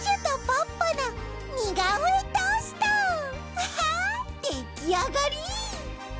アハできあがり！